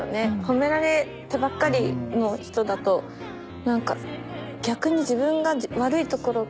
褒められてばっかりの人だとなんか逆に自分が悪いところ